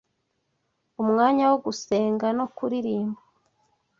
umwanya wo gusenga no kuririmba